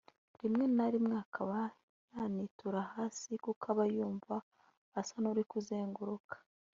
rimwe na rimwe akaba yanitura hasi kuko aba yumva asa n’uri kuzenguruka